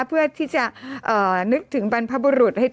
เพื่อที่จะนึกถึงบรรพบุรุษ